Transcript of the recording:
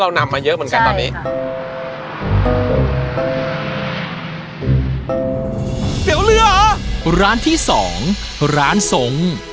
เพราะว่าเรานำมาเยอะเหมือนกันตอนนี้